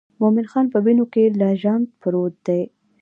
مومن خان په وینو کې لژند پروت دی.